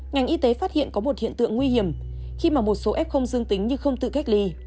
ngành y tế phát hiện có một hiện tượng nguy hiểm khi mà một số f dương tính nhưng không tự cách ly